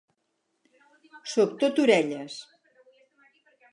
Soc tot orelles.